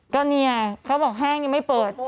ก็เนี่ยเขาบอกห้างยังไม่เปิด